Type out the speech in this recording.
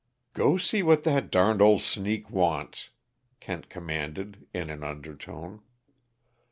"Go see what that darned old sneak wants," Kent commanded in an undertone.